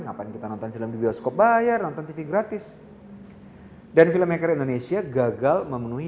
ngapain kita nonton film di bioskop bayar nonton tv gratis dan filmmaker indonesia gagal memenuhi